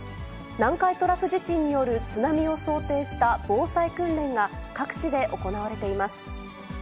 南海トラフ地震による津波を想定した防災訓練が、各地で行われています。